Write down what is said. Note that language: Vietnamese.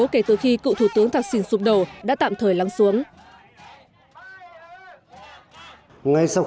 kể từ khi cựu thủ tướng thạc sinh xụp đầu đã tạm thời lắng xuống